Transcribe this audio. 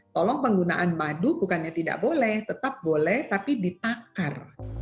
tolong penggunaan madu bukannya tidak boleh tetap boleh tapi ditakar